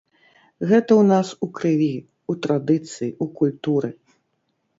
Гэта ў нас у крыві, у традыцыі, у культуры.